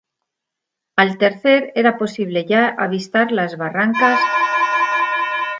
Al tercer era posible ya avistar las barrancas de Entre Ríos.